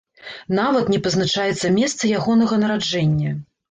Нават не пазначаецца месца ягонага нараджэння.